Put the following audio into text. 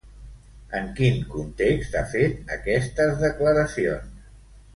En quin context ha fet aquestes declaracions?